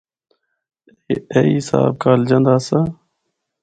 ایہی حساب کالجاں دا آسا۔